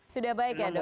sudah baik ya dok